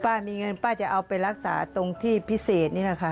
มีเงินป้าจะเอาไปรักษาตรงที่พิเศษนี่แหละค่ะ